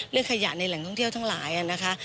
ขยะในแหล่งท่องเที่ยวทั้งหลายนะคะ